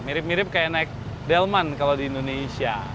mirip mirip kayak naik delman kalau di indonesia